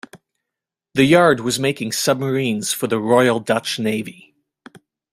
The yard was making submarines for the Royal Dutch Navy.